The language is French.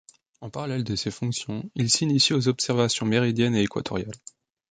En parallèle de ses fonctions, il s’initie aux observations méridiennes et équatoriales.